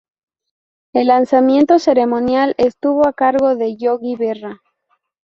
El lanzamiento ceremonial estuvo a cargo de Yogi Berra.